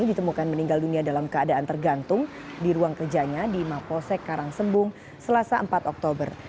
ditemukan meninggal dunia dalam keadaan tergantung di ruang kerjanya di mapolsek karangsembung selasa empat oktober